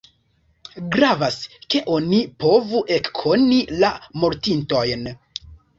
Gravas, ke oni povu ekkoni la mortintojn.